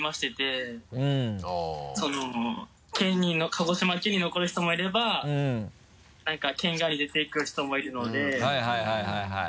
鹿児島県に残る人もいれば何か県外出て行く人もいるのではいはい。